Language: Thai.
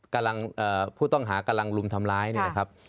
กำลังผู้ต้องหากำลังรุมทำร้ายเนี่ยนะครับ